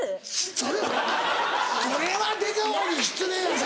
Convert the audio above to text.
それはそれは出川に失礼やぞ。